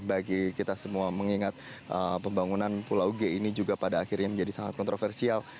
bagi kita semua mengingat pembangunan pulau g ini juga pada akhirnya menjadi sangat kontroversial